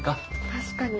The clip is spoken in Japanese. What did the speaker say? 確かに。